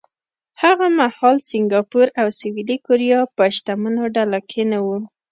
هغه مهال سینګاپور او سویلي کوریا په شتمنو ډله کې نه وو.